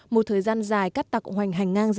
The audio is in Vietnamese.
một thời gian dài cát tặc hoành hành ngang dọc